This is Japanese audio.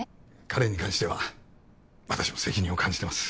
彼に関しては私も責任を感じてます